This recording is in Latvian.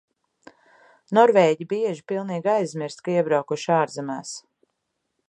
Norvēģi bieži pilnīgi aizmirst, ka iebraukuši ārzemēs.